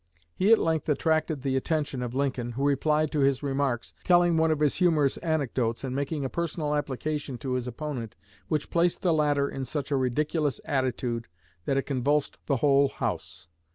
He at length attracted the attention of Lincoln, who replied to his remarks, telling one of his humorous anecdotes and making a personal application to his opponent which placed the latter in such a ridiculous attitude that it convulsed the whole House.